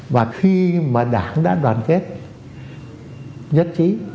và khi mà đảng đã đoàn kết nhất trí